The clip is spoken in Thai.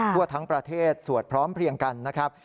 ทั่วทั้งประเทศสวดพร้อมเพลียงกันนะครับ